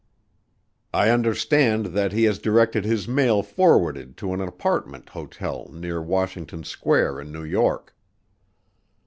I understand that he has directed his mail forwarded to an apartment hotel near Washington Square in New York."